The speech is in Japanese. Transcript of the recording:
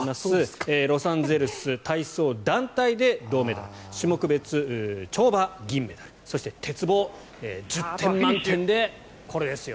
ロサンゼルス体操団体で銅メダル種目別跳馬、銀メダルそして鉄棒、１０点満点でこれですよ。